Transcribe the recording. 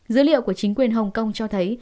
dữ liệu của chính quyền hồng kông cho thấy